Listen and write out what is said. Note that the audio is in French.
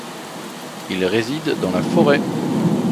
Il réside dans la forêt.